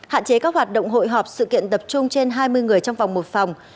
hạn chế các hoạt động hội họp sự kiện tập trung trên hai mươi người trong vòng một phòng